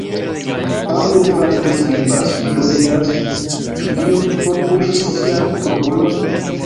Paŭlo, fakte, skribas: “Mi do diras: Ĉu Dio forpuŝis Sian popolon?